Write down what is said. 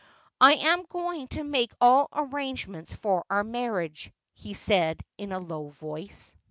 ' I am going to make all arrangements for our marriage,' he said in a low voice.